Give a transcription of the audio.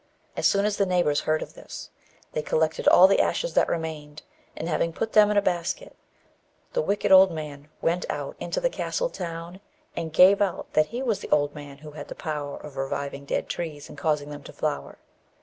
So soon as the neighbours heard of this they collected all the ashes that remained, and, having put them in a basket, the wicked old man went out into the castle town, and gave out that he was the old man who had the power of reviving dead trees, and causing them to flower.